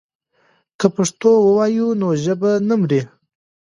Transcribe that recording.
که پښتو ووایو نو ژبه نه مري.